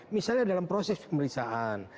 misalnya dalam proses pemeriksaan